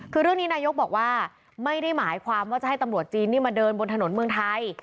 คือเรื่องนี้นายกบอกว่าไม่ได้หมายความว่าจะให้ตำรวจจีนนี่มาเดินบนถนนเมืองไทย